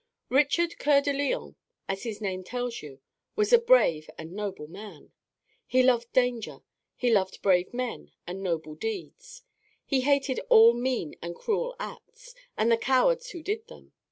Richard Coeur de Lion, as his name tells you, was a brave and noble man. He loved danger; he loved brave men and noble deeds. He hated all mean and cruel acts, and the cowards who did them.